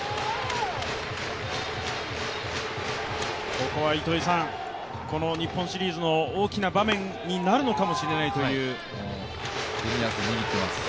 ここは糸井さん、日本シリーズの大きな場面になるかもしれないというところですね。